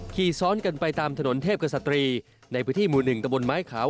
ขี่ซ้อนกันไปตามถนนเทพกษตรีในพื้นที่หมู่๑ตะบนไม้ขาว